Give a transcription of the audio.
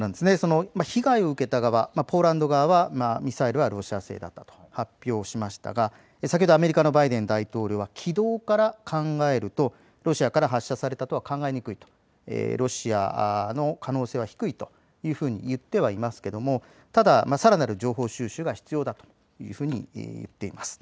被害を受けた側、ポーランド側はミサイルはロシア製だったと発表しましたが先ほどアメリカのバイデン大統領は軌道から考えるとロシアから発射されたとは考えにくい、ロシアの可能性は低いと言ってはいますけども、たださらなる情報収集が必要だといっています。